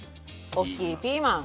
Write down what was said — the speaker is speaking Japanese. おっきいピーマン。